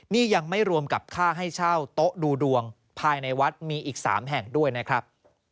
นี่ยังไม่รวมกับค่าให้เช่าโต๊ะดูดวงภายในวัดมีอีก๓แห่งด้วยนะครับ